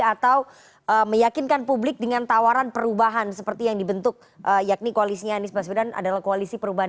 atau meyakinkan publik dengan tawaran perubahan seperti yang dibentuk yakni koalisnya anies baswedan adalah koalisi perubahan